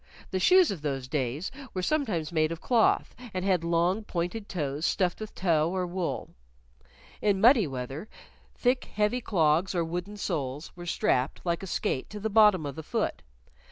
The shoes of those days were sometimes made of cloth, and had long pointed toes stuffed with tow or wool. In muddy weather thick heavy clogs or wooden soles were strapped, like a skate, to the bottom of the foot.